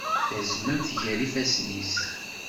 Tazmamt gar yifassen-is.